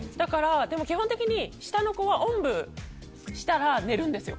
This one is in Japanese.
基本的に下の子はおんぶしたら寝るんです。